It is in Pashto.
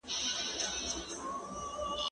سبزیحات پاخه کړه!؟